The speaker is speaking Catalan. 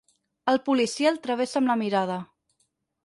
El policia el travessa amb la mirada.